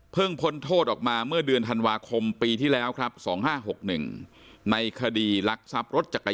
เพิ่งพ้นโทษออกมาเมื่อเดือนธันวาคมปีที่แล้วครับ๒๕๖๑